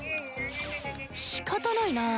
しかたないな。